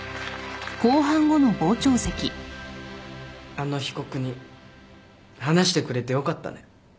あの被告人話してくれてよかったね。